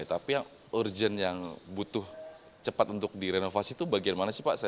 tapi yang urgent yang butuh cepat untuk direnovasi itu bagaimana sih pak